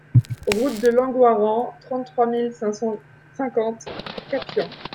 Route de Langoiran, trente-trois mille cinq cent cinquante Capian